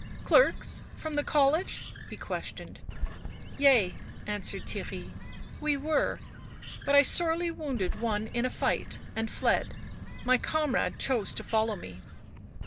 " Clerks from the college?" he questioned. " Yea," answered Theirry. " We were. But I sorely wounded one in a fight and fied. My comrade chose to follow me."